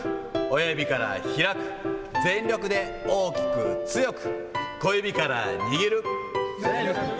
親指から開く、全力で大きく強く、小指から握る。